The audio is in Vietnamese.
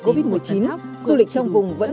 covid một mươi chín du lịch trong vùng vẫn